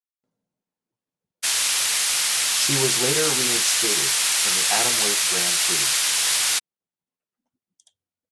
She was later reinstated in the Atomweight Grand Prix.